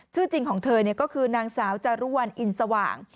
ชื่อจริงของเธอก็คือนางสาวจารุวัลอินสว่าง